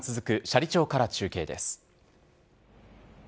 斜里町から中継です。